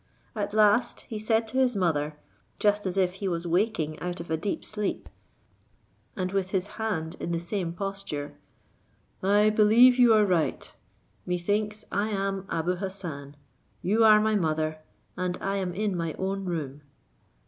At last, he said to his mother, just as if he was awaking out of a deep sleep, and with his hand in the same posture, "I believe you are right, methinks I am Abou Hassan, you are my mother, and I am in my own room."